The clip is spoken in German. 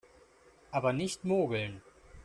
Aber nicht mogeln!